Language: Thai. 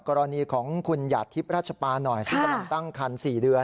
กรณีของคุณหยาดทิพย์ราชปาหน่อยค่ะที่กำลังตั้งคันสี่เดือนเออ